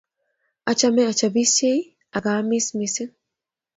Achame achopisiei ak aamis mising